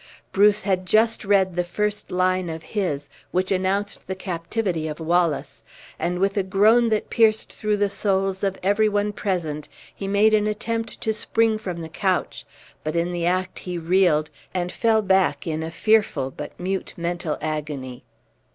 Bruce had just read the first line of his, which announced the captivity of Wallace; and, with a groan that pierced through the souls of every one present, he made an attempt to spring from the couch; but in the act he reeled, and fell back in a fearful but mute mental agony.